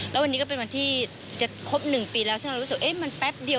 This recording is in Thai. แล้ววันนี้ก็เป็นวันที่จะครบ๑ปีแล้วซึ่งเรารู้สึกมันแป๊บเดียว